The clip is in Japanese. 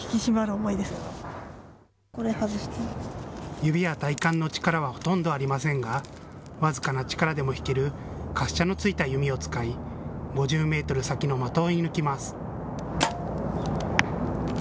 指や体幹の力はほとんどありませんが僅かな力でも引ける滑車のついた弓を使い５０メートル先の的を射ぬきます。